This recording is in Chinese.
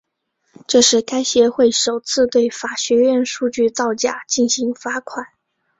这是该协会首次对法学院数据造假进行罚款。